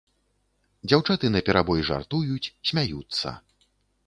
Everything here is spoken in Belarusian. Дзяўчаты наперабой жартуюць, смяюцца.